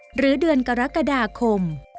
หรือเดือนกรกฎาคม